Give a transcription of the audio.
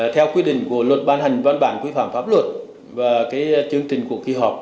theo quy định của luật bán hành văn bản quy phạm pháp luật và cái chương trình cuộc kỳ họp